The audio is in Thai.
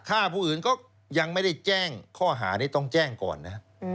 ฆ่าผู้อื่นก็ยังไม่ได้แจ้งข้อหานี้ต้องแจ้งก่อนนะ